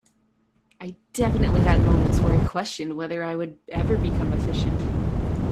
I definitely had moments where I questioned whether I would ever become efficient.